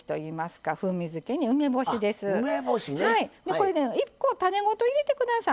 これね１個種ごと入れて下さい。